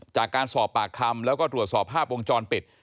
จากการสอบปากคำแล้วก็ตรวจสอบภาพวงจรปิด